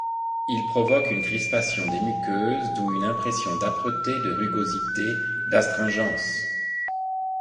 Ils provoquent une crispation des muqueuses d'où une impression d'âpreté, de rugosité, d'astringence.